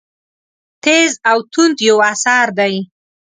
تېز او توند یو اثر دی.